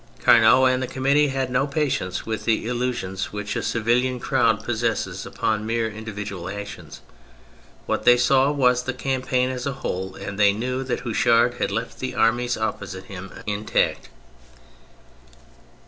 Carnot and the Committee had no patience with the illusions which a civilian crowd possesses upon mere individual actions : what they saw was the campaign as a whole, and they knew that Houchard had left the armies opposite him intact.